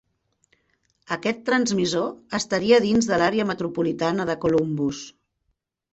Aquest transmissor estaria dins de l'àrea metropolitana de Columbus.